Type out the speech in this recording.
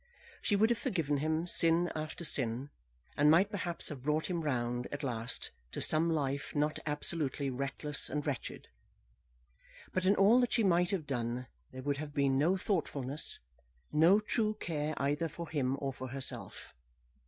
She would have forgiven him sin after sin, and might perhaps have brought him round, at last, to some life not absolutely reckless and wretched. But in all that she might have done, there would have been no thoughtfulness, no true care either for him or for herself.